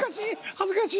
恥ずかしい。